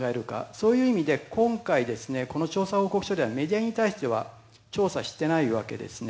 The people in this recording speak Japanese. そういう意味で今回、この調査報告書ではメディアに対しては調査してないわけですね。